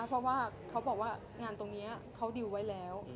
เพราะว่าเขาบอกว่างานตรงนี้เขาดิวไว้แล้ว